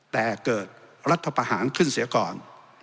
แต่เกิดรัฐประหารขึ้นเสียก่อน